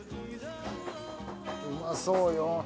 うまそうよ。